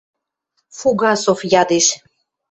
— Фугасов ядеш.